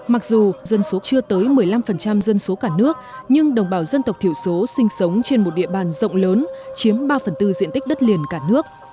mặc dù dân số chưa tới một mươi năm dân số cả nước nhưng đồng bào dân tộc thiểu số sinh sống trên một địa bàn rộng lớn chiếm ba phần tư diện tích đất liền cả nước